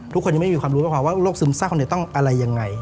ทุกคนยังไม่มีความรู้ความว่าโรคซึมเศร้าเนี่ยต้องอะไรยังไง